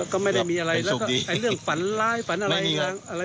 ก็ไม่ได้มีอะไรแล้วก็ไอ้เรื่องฝันร้ายฝันอะไรอะไรไม่มีนะ